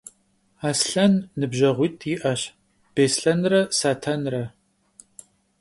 Aslhen nıbjeğuit' yi'eş - Bêslhenre Satenre.